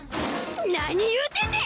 何言うてんねん！